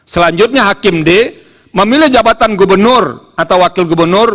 selanjutnya hakim d memilih jabatan gubernur atau wakil gubernur